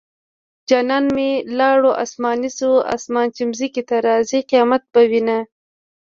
جانان مې لاړو اسماني شو اسمان چې ځمکې ته راځي قيامت به وينه